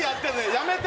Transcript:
やめて！